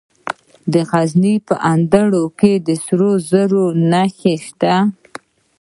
د غزني په اندړ کې د سرو زرو نښې شته.